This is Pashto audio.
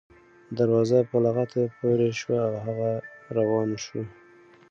دروازه په لغته پورې شوه او هغه روان شو.